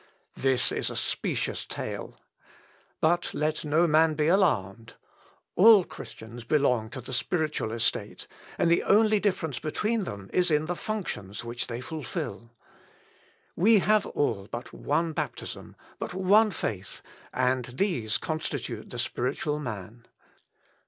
This is a specious tale. But let no man be alarmed. All Christians belong to the spiritual estate, and the only difference between them is in the functions which they fulfil. We have all but one baptism, but one faith, and these constitute the spiritual man.